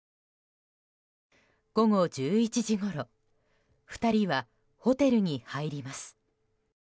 午後１１時ごろ２人はホテルに入ります。